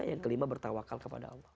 yang kelima bertawakal kepada allah